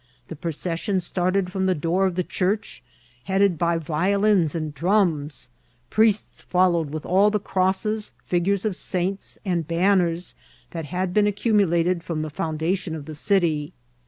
The proces sion started from the door of the church, headed by vi olins and drums ; priests followed, with all the crosses, figures of saints, and banners that had been accumula ting from the foundation of the city.